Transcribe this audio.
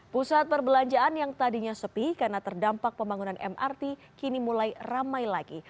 pusat perbelanjaan yang tadinya sepi karena terdampak pembangunan mrt kini mulai ramai lagi